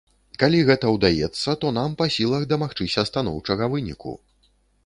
Калі гэта ўдаецца, то нам па сілах дамагчыся станоўчага выніку.